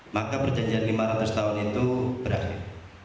maka perjanjian lima ratus tahun itu berakhir